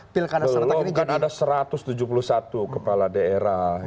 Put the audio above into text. belum kan ada satu ratus tujuh puluh satu kepala daerah